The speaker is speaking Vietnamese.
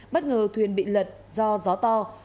bất ngờ thuyền bị lật do gió to